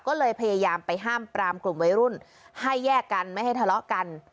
ก็เลยพยายามไปห้ามปรามกลุ่มวัยรุ่นให้แยกกันไม่ให้ทะเลาะกัน